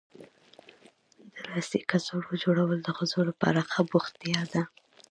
د لاسي کڅوړو جوړول د ښځو لپاره ښه بوختیا ده.